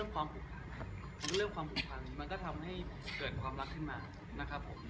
มันก็เริ่มความผูกพันมันก็ทำให้เกิดความรักขึ้นมานะครับผม